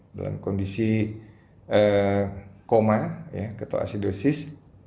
dalam kondisi koma atau asidosis